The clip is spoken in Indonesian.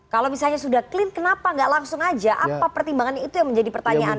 kalau misalnya sudah clear kenapa nggak langsung aja apa pertimbangannya itu yang menjadi pertanyaan